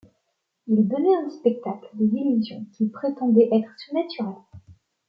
Ils donnaient en spectacle des illusions qu'ils prétendaient être surnaturelles.